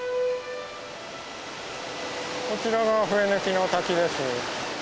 こちらが笛貫の滝です。